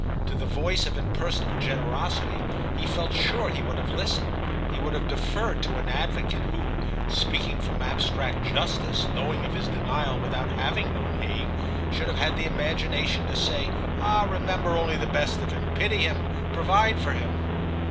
To the voice of impersonal generosity he felt sure he would have listened; he would have deferred to an advocate who, speaking from abstract justice, knowing of his denial without having known Hague, should have had the imagination to say: "Ah, remember only the best of him; pity him; provide for him."